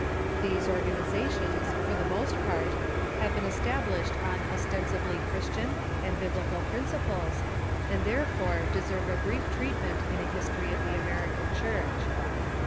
These organizations, for the most part, have been established on ostensibly Christian and Biblical princi ples, and therefore deserve a brief treatment in a history of the American Church.